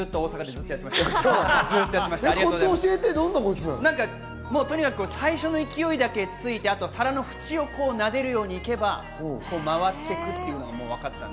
コツはとにかく最初の勢いだけつけて皿の縁をなでるようにいけば回っていくというのが分かりました。